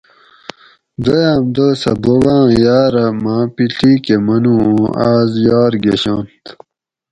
دویام دوسہ بوباں یاۤرہ ماں پیڷی کہ منو اُوں آس یار گشنت